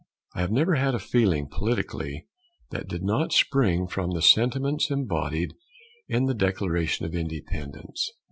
I have never had a feeling, politically, that did not spring from the sentiments embodied in the Declaration of Independence.